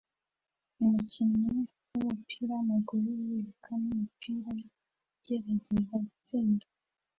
Umukinnyi wumupira wamaguru yiruka numupira ugerageza gutsinda